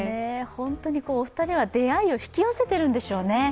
本当にお二人は出会いを引き寄せているんでしょうね。